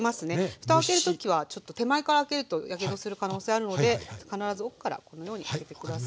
ふたを開ける時はちょっと手前から開けるとやけどする可能性あるので必ず奥からこのように開けて下さい。